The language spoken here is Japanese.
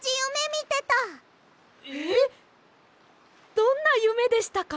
どんなゆめでしたか？